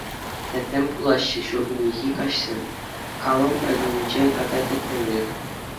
Тӗттӗм пулаҫҫӗ ҫуркуннехи каҫсем, калӑм эрнинче тата тӗттӗмрех.